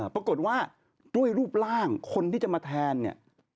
ปรากฏว่าด้วยรูปร่างคนที่จะมาแทนเนี่ย